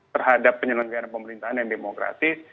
terhadap penyelenggaraan pemerintahan yang demokratis